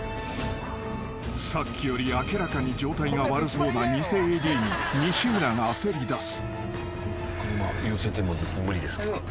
［さっきより明らかに状態が悪そうな偽ＡＤに西村が焦りだす］